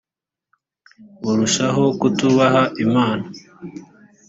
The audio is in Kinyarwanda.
barushaho kutubaha imana